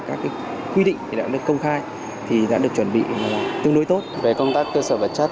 các quy định thì đã được công khai thì đã được chuẩn bị tương đối tốt về công tác cơ sở vật chất